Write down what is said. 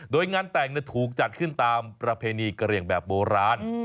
โดยงานแต่งถูกจัดขึ้นตามประเพณีกระเหลี่ยงแบบโบราณ